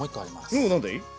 おお何だい？